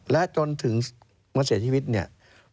และจนถึงมาเสียชีวิตเนี่ย